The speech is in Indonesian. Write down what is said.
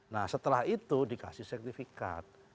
nah setelah itu dikasih sertifikat